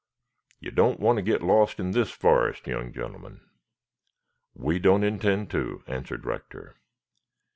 You don't want to get lost in this forest, young gentlemen." "We don't intend to," answered Rector.